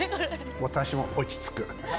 私も落ち着く。